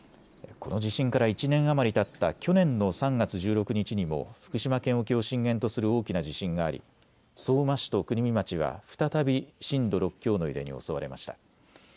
この地震から１年余りたった去年の３月１６日にも福島県沖を震源とする大きな地震があり相馬市と国見町は再び震度６強の揺れに襲われました。